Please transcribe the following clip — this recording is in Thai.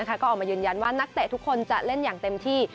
ก็ออกมายืนยันว่านักเตะทุกคนจะเล่นอย่างเต็มที่